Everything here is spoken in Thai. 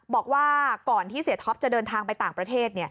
บอกว่าก่อนที่เสียท็อปจะเดินทางไปต่างประเทศ